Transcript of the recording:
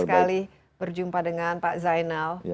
sekali berjumpa dengan pak zainal